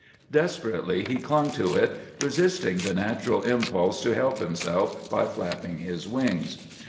Desperately he clung to it, resisting the natural impulse to help himself by flapping his wings.